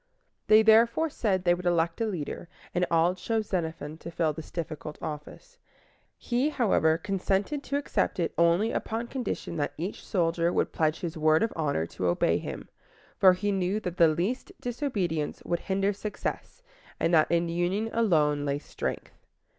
They therefore said they would elect a leader, and all chose Xenophon to fill this difficult office. He, however, consented to accept it only upon condition that each soldier would pledge his word of honor to obey him; for he knew that the least disobedience would hinder success, and that in union alone lay strength.